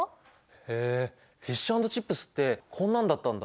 へえフィッシュ＆チップスってこんなんだったんだ。